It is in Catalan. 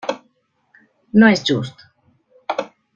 No és just.